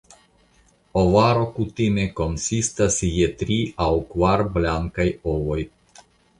Ovaro kutime konsistas je tri aŭ kvar blankaj ovoj.